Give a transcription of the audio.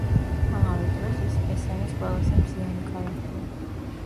ამავე დროს, ის ჰესენის ყველაზე მზიანი ქალაქია.